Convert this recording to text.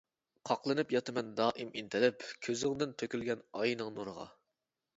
قاقلىنىپ ياتىمەن دائىم ئىنتىلىپ، كۆزۈڭدىن تۆكۈلگەن ئاينىڭ نۇرىغا.